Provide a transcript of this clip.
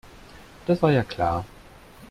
Das war ja klar.